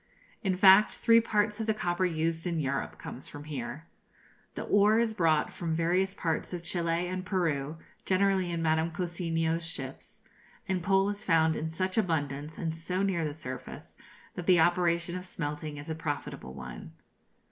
In fact, three parts of the copper used in Europe comes from here. The ore is brought from various parts of Chili and Peru, generally in Madame Cousiño's ships; and coal is found in such abundance, and so near the surface, that the operation of smelting is a profitable one.